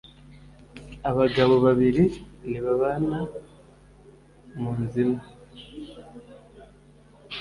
Abagabo babiri ntibabana mu nzu imwe.